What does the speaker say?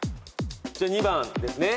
２番ですね。